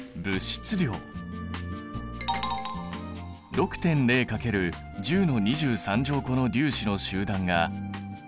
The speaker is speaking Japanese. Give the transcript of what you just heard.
６．０×１０の２３乗個の粒子の集団が１ｍｏｌ。